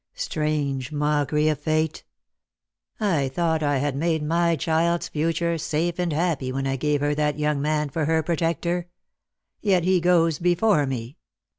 Strange mockery of Fate ! I thought I had made my child's future safe and happy when I gave her that young man for her protector. Yet he goes before me.